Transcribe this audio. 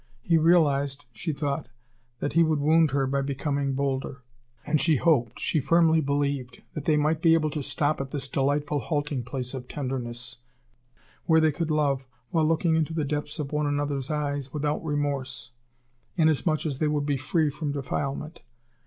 He realized, she thought, that he would wound her by becoming bolder; and she hoped, she firmly believed, that they might be able to stop at this delightful halting place of tenderness, where they could love, while looking into the depths of one another's eyes, without remorse, inasmuch as they would be free from defilement.